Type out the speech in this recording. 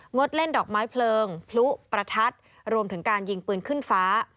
ดเล่นดอกไม้เพลิงพลุประทัดรวมถึงการยิงปืนขึ้นฟ้า